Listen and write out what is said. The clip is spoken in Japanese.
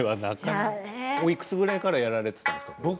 おいくつぐらいからやられていたんですか。